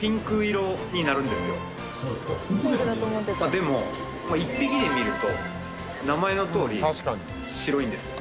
でも１匹で見ると名前のとおり白いんです。